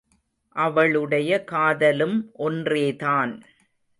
அவளுடைய காதலும் ஒன்றேதான்.